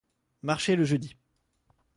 Marché le jeudi.